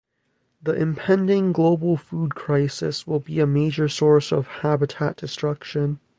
The impending global food crisis will be a major source of habitat destruction.